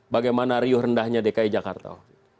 bagaimana riuh rendahnya dki jakarta